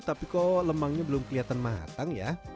tapi kok lemangnya belum kelihatan matang ya